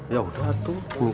ya udah ratu bungki